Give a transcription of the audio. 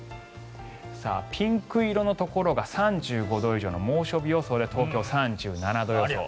ピンク色のところが３５度以上の猛暑日予想で東京、３７度予想。